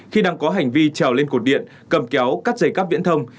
khi đang có hành vi trào lên cột điện cầm kéo cắt dây cắp viễn thông